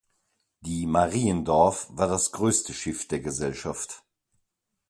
Die "Mariendorf" war das größte Schiff der Gesellschaft.